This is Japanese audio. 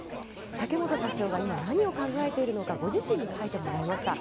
竹本社長が今、何を考えているのかご自身に書いてもらいました。